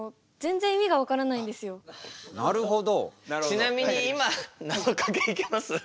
ちなみに今なぞかけいけます？